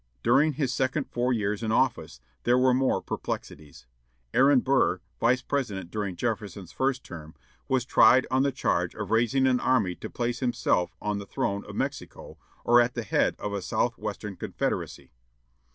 During his second four years in office, there were more perplexities. Aaron Burr, Vice President during Jefferson's first term, was tried on the charge of raising an army to place himself on the throne of Mexico, or at the head of a South western confederacy.